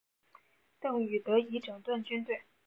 邓禹得以整顿军队。